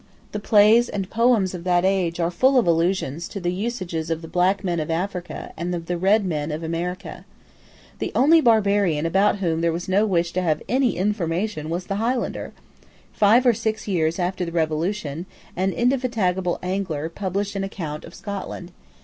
The plays and poems of that age are full of allusions to the usages of the black men of Africa and of the red men of America. The only barbarian about whom there was no wish to have any information was the Highlander. Five or six years after the Revolution, an indefatigable angler published an account of Scotland.